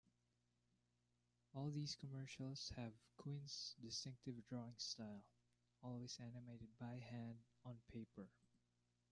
All these commercials have Quinn's distinctive drawing style, always animated by hand, on paper.